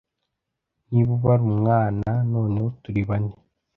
Niba ubara umwana, noneho turi bane.